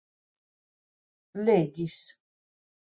legis